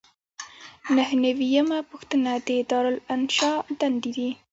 نهه نوي یمه پوښتنه د دارالانشا دندې دي.